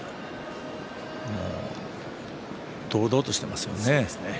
もう堂々としていますよね。